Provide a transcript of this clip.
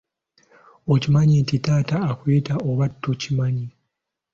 Okimanyi nti taata akuyita oba tokimanyi?